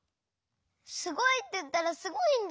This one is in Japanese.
すごいっていったらすごいんだよ！